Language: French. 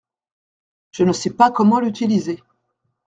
Je ne sais pas comment l’utiliser.